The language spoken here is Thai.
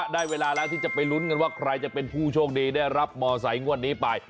ได้เวลาแล้วที่จะไปลุ้นกันว่าใครจะเป็นผู้โชคดีได้รับมอไซค์งวดนี้ไป